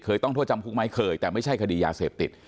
ต้องโทษจำคุกไหมเคยแต่ไม่ใช่คดียาเสพติด